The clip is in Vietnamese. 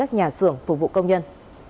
phục vụ công nhân